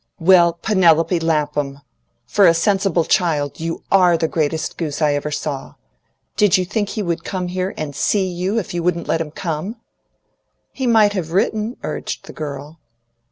"Well, Penelope Lapham! For a sensible child, you ARE the greatest goose I ever saw. Did you think he would come here and SEE if you wouldn't let him come?" "He might have written," urged the girl.